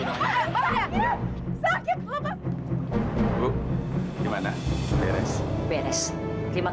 bapak bapak lepas gak